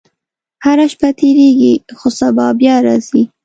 • هره شپه تېرېږي، خو سبا بیا راځي.